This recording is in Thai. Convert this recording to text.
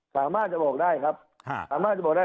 สามารถจะบอกได้ครับสามารถจะบอกได้